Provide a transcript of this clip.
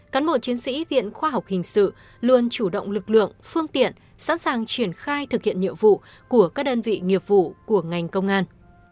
cán bộ chiến sĩ viện khoa học hình sự luôn chủ động lực lượng phương tiện sẵn sàng triển khai thực hiện nhiệm vụ của các đơn vị nghiệp vụ của ngành công an